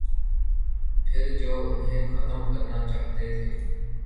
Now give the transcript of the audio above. پھر جو انہیں ختم کرنا چاہتے تھے۔